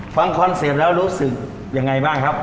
คอนเซ็ปต์แล้วรู้สึกยังไงบ้างครับ